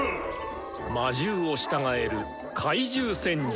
魔獣を従える懐柔戦術！